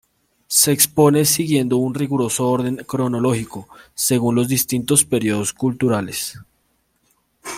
Se expone siguiendo un riguroso orden cronológico, según los distintos periodos culturales.